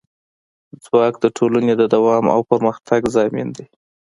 ځواک د ټولنې د دوام او پرمختګ ضامن دی.